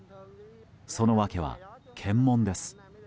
その訳は、検問です。